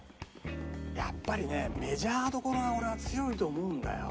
やっぱりねメジャーどころが俺は強いと思うんだよ。